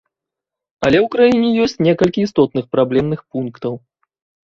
Але ў краіне ёсць некалькі істотных праблемных пунктаў.